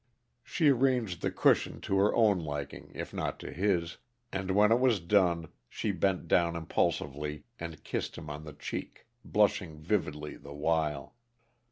She arranged the cushion to her own liking, if not to his, and when it was done she bent down impulsively and kissed him on the cheek, blushing vividly the while.